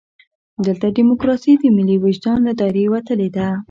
دلته ډیموکراسي د ملي وجدان له دایرې وتلې ده.